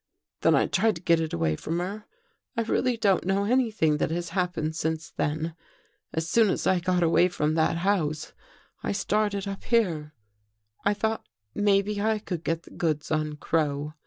Then I tried to get it away from her. I really don't know anything that has happened since then. As soon as I got away from that house, I started up here. I thought maybe I could get the goods on Crow.